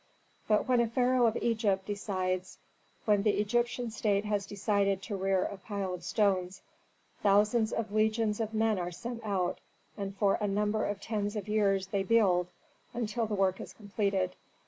"'But when a pharaoh of Egypt decides, when the Egyptian state has decided to rear a pile of stones, thousands of legions of men are sent out, and for a number of tens of years they build, till the work is completed.